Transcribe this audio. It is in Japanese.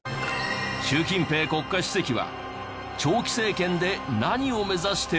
習近平国家主席は長期政権で何を目指してる？